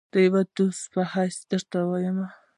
د یوه دوست په حیث درته وایم.